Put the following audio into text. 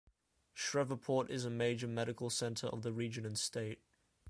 Shreveport is a major medical center of the region and state.